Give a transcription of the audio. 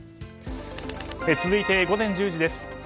続いて、午前１０時です。